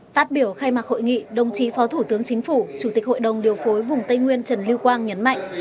phát biểu khai mạc hội nghị đồng chí phó thủ tướng chính phủ chủ tịch hội đồng điều phối vùng tây nguyên trần lưu quang nhấn mạnh